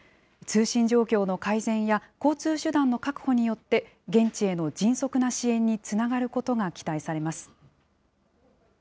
通信状況の改善や、交通手段の確保によって、現地への迅速な支援につながることが期待されます。